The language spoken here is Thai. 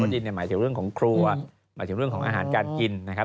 ดินเนี่ยหมายถึงเรื่องของครัวหมายถึงเรื่องของอาหารการกินนะครับ